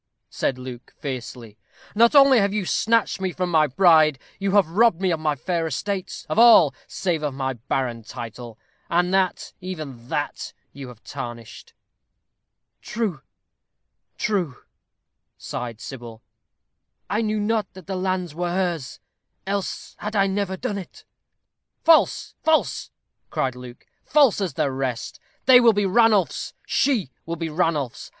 said Luke, fiercely. "Not only have you snatched from me my bride, you have robbed me of my fair estates, of all, save of my barren title, and that, even that, you have tarnished." "True, true," sighed Sybil. "I knew not that the lands were hers, else had I never done it." "False, false," cried Luke; "false as the rest. They will be Ranulph's. She will be Ranulph's.